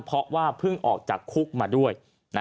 เพราะว่าเพิ่งออกจากคุกมาด้วย